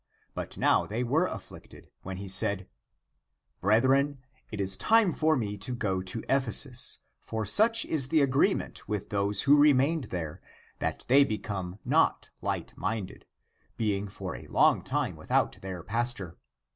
But now they were afflicted, when he said, " Brethren, it is time for me to go to Ephesus — for such is the agree ment with those who remained there — that they become not Hght minded, being for a long time without their pastor.